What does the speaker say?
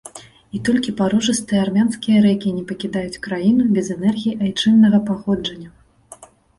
І толькі парожыстыя армянскія рэкі не пакідаюць краіну без энергіі айчыннага паходжання.